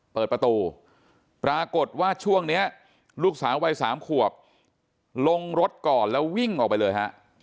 เปิดประตูปรากฏว่าช่วงนี้ลูกสาววัย๓ขวบลงรถก่อนแล้ววิ่งออกไปเลยฮะ